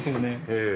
ええ。